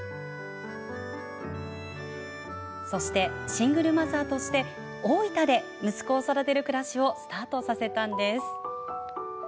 そしてシングルマザーとして大分で息子を育てる暮らしをスタートさせたんです。